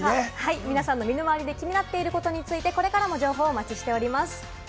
皆さんの身の回りで気になっていることについてこれからも情報をお待ちしております。